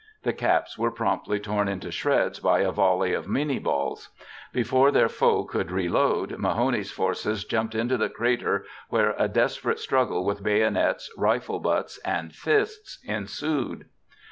The caps were promptly torn to shreds by a volley of minié balls. Before their foe could reload, Mahone's forces jumped into the crater where a desperate struggle with bayonets, rifle butts, and fists ensued.